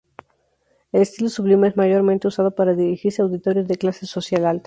El estilo sublime es mayormente usado para dirigirse a auditorios de clase social alta.